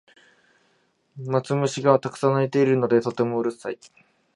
マツムシがたくさん鳴いているのでとてもうるさい